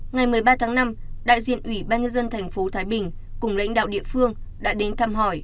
ngày một mươi ba tháng năm đại diện ủy ban nhân dân thành phố thái bình cùng lãnh đạo địa phương đã đến thăm hỏi